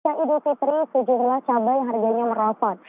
paca idul fitri tujuh belas cabai harganya merosot